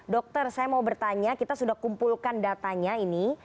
dokter saya mau bertanya kita sudah kumpulkan datanya ini